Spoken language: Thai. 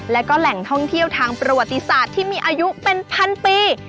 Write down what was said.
และก็แหล่งท่องเที่ยวทางประวัติศาสตร์ที่มีอายุเป็นพันปี